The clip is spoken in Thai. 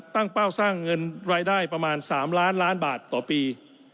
เป้าสร้างเงินรายได้ประมาณ๓ล้านล้านบาทต่อปี